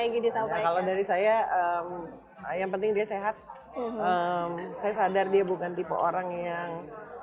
yang gini sampai kalau dari saya yang penting dia sehat saya sadar dia bukan tipe orang yang